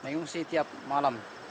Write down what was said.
mengungsi tiap malam